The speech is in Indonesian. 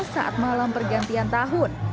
saat malam pergantian tahun